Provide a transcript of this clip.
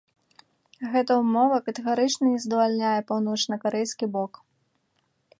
Гэта ўмова катэгарычна не задавальняе паўночнакарэйскі бок.